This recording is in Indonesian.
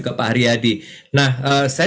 ke pak haryadi nah saya